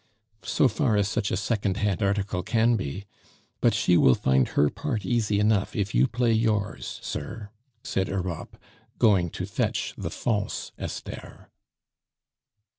"So far as such a second hand article can be. But she will find her part easy enough if you play yours, sir," said Europe, going to fetch the false Esther.